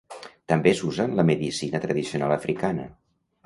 També s'usa en la medicina tradicional africana.